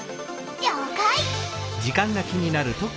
りょうかい！